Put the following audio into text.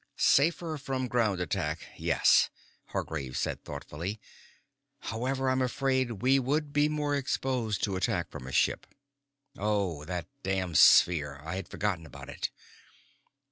"Safer from ground attack, yes," Hargraves said thoughtfully. "However, I'm afraid we would be more exposed to attack from a ship." "Oh! That damned sphere. I had forgotten about it."